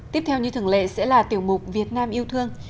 tiếp theo như thường lệ sẽ là tiểu mục việt nam yêu thương